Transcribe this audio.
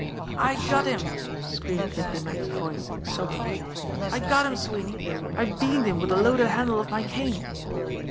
"I got him!" screamed Limpy Mack's voice exultantly. "I got him, Sweeney ! I beaned him with the loaded handle of my cane."